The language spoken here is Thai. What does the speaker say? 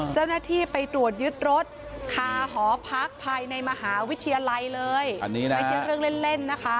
เจ้าหน้าที่ไปตรวจยึดรถคาหอพักภายในมหาวิทยาลัยเลยอันนี้นะไม่ใช่เรื่องเล่นเล่นนะคะ